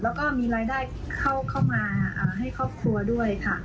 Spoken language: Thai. แล้วก็มีรายได้เข้ามาให้ครอบครัวด้วยค่ะ